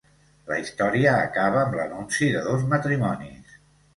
La història acaba amb l'anunci de dos matrimonis.